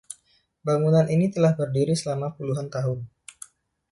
Bangunan ini telah berdiri selama puluhan tahun.